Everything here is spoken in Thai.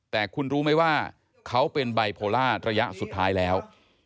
แต่คุณรู้ไหมว่าเขาเป็นไบโพล่าระยะสุดท้ายแล้ว